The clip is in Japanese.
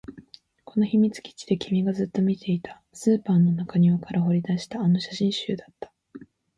この秘密基地で君がずっと見ていた、スーパーの中庭から掘り出したあの写真集だった